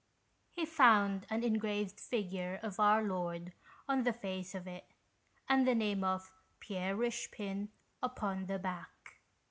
He found an engraved figure of Our Lord on the face of it, and the name of Pierre Eichepin upon the back.